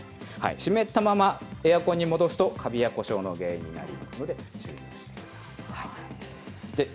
湿ったままエアコンに戻すとカビや故障の原因にもなりますので、注意してください。